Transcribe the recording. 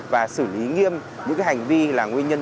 và xử lý nghiêm những hành vi là nguyên nhân